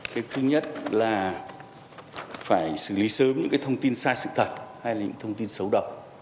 cái thứ nhất là phải xử lý sớm những cái thông tin sai sự thật hay là những thông tin xấu độc